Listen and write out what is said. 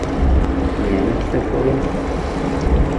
Näme etsek bolar?